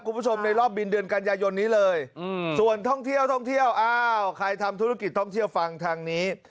คุณผู้ชมในรอบบินเดือนกันยายนนี้เลยส่วนท่องเที่ยวท่องเที่ยวอ้าวใครทำธุรกิจท่องเที่ยวฟังทางนี้